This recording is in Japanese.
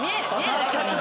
確かに。